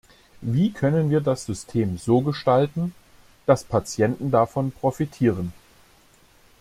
Wie können wir das System so gestalten, dass Patienten davon profitieren?